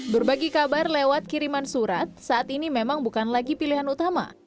berbagi kabar lewat kiriman surat saat ini memang bukan lagi pilihan utama